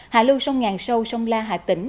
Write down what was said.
hà lưu sông ngàn sâu sông la hà tỉnh